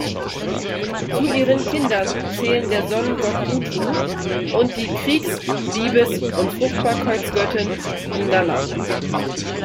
Zu ihren Kindern zählen der Sonnengott Utu und die Kriegs-, Liebes- und Fruchtbarkeitsgöttin Inanna.